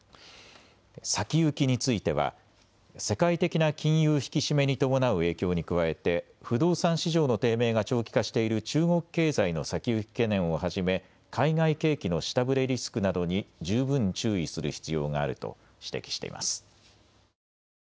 先行きについては世界的な金融引き締めに伴う影響に加えて不動産市場の低迷が長期化している中国経済の先行き懸念をはじめ、海外景気の下振れリスクなどに十分注意する必要があると指摘しています。